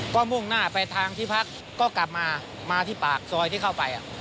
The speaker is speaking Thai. ก็มุ่งหน้าไปทางที่พักก็กลับมามาที่ปากซอยที่เข้าไป